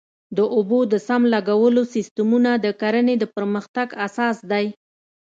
د اوبو د سم لګولو سیستمونه د کرنې د پرمختګ اساس دی.